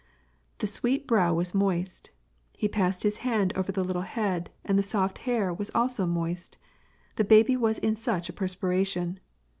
The sweet brow was moist ; he passed his hand over the little head, and the soft hair was also moist, the baby was in such a perspiration